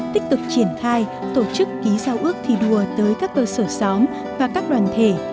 tích cực triển khai tổ chức ký giao ước thi đua tới các cơ sở xóm và các đoàn thể